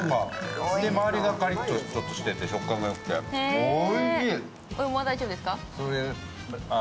そして周りがカリッとちょっとしてて食感がよくて、おいしい。